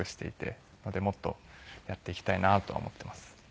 なのでもっとやっていきたいなとは思っています。